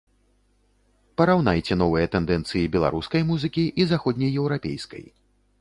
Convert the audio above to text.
Параўнайце новыя тэндэнцыі беларускай музыкі і заходнееўрапейскай.